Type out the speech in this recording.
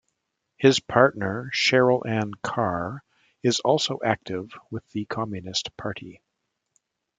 His partner, Cheryl-Anne Carr, is also active with the Communist Party.